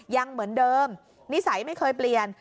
ยังเหมือนเดิมนิสัยไม่เคยเปลี่ยน